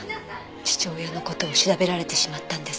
父親の事を調べられてしまったんです。